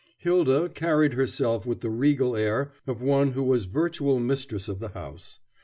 Hylda carried herself with the regal air of one who was virtual mistress of the house.